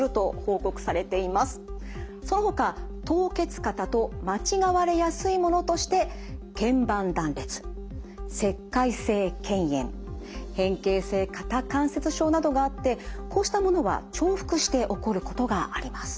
そのほか凍結肩と間違われやすいものとしてけん板断裂石灰性けん炎変形性肩関節症などがあってこうしたものは重複して起こることがあります。